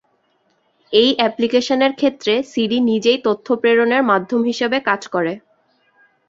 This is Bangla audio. এই অ্যাপ্লিকেশনের ক্ষেত্রে সিডি নিজেই তথ্য প্রেরণের মাধ্যম হিসেবে কাজ করে।